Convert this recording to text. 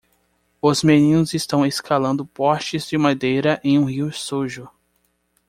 Os meninos estão escalando postes de madeira em um rio sujo.